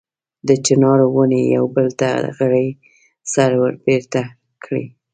د چنارونو ونې یو بل ته غړۍ سره وربېرته کړي.